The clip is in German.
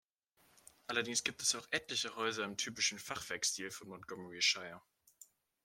Allerdings gibt es auch etliche Häuser im typischen Fachwerkstil von Montgomeryshire.